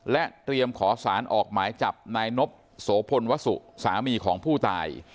และเตรียมขอสารออกหมายจับนายนบโสพลวสุสามีของผู้ตาย